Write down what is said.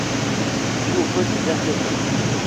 Il joue au poste de Gardien de but.